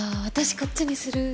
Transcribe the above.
こっちにする！